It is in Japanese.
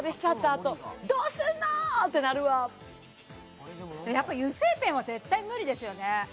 あとどうすんの！ってなるわやっぱ油性ペンは絶対無理ですよね